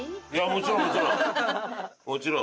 もちろんもちろん！